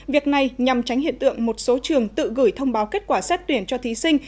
việc này nhằm tránh hiện tượng một số trường tự gửi thông báo kết quả xét tuyển cho thí sinh